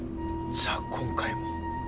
じゃあ今回も。